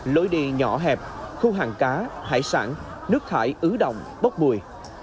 lối đi nhỏ hẹp khu hàng cá hải sản nước thải ứ động bốc mùi